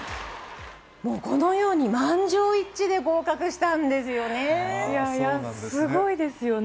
もうこのように満場一致で合すごいですよね。